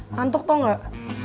nantuk tau gak